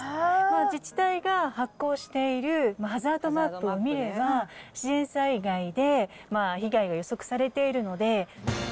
自治体が発行しているハザードマップを見れば、自然災害で被害が予測されているので。